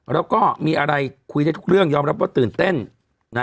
แล้วก็มีอะไรคุยได้ทุกเรื่องยอมรับว่าตื่นเต้นนะ